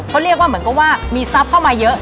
เขาเรียกว่าเหมือนกับว่ามีทรัพย์เข้ามาเยอะ